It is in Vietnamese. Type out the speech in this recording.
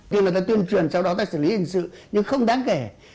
khi mà ta tuyên truyền sau đó ta xử lý hình sự nhưng không đáng kể